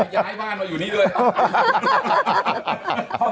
ย้ายบ้านมาอยู่นี่ด้วยเหรอ